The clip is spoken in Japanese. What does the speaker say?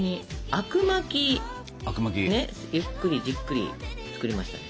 あくまきねゆっくりじっくり作りましたね。